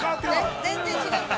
◆全然違うから。